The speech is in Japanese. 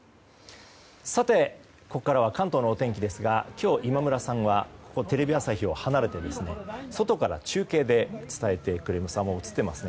ここからは関東のお天気ですが今日、今村さんはここテレビ朝日を離れていて外から中継で伝えてくれます。